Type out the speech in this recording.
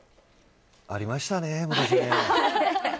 ありましたね、これ。